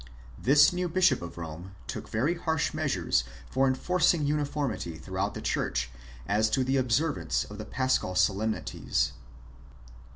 This new bishop of Rome took very harsh measures for en INTROD UCTOR Y NOTICE. xix forcing uniformity throughout the church as to the observance of the paschal solemnities.